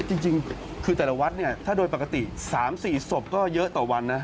จริงคือแต่ละวัดเนี่ยถ้าโดยปกติ๓๔ศพก็เยอะต่อวันนะ